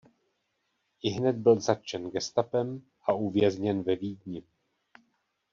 Ihned byl zatčen gestapem a uvězněn ve Vídni.